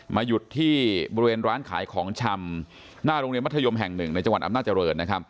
หยุดที่บริเวณร้านขายของชำหน้าโรงเรียนมัธยมแห่งหนึ่งในจังหวัดอำนาจริง